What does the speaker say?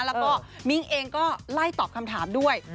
แล้วก็มิ้งเองก็ไล่ตอบคำถามด้วย